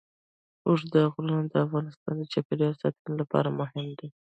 اوږده غرونه د افغانستان د چاپیریال ساتنې لپاره مهم دي.